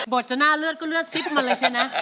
บทจะน่าเลือดก็เลือดซิบมาเลยใช่นะ